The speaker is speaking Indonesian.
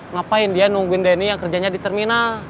ngapain dia nungguin denny yang kerjanya di terminal